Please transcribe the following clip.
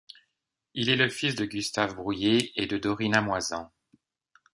Il est le fils de Gustave Brouillet et de Dorina Moisan.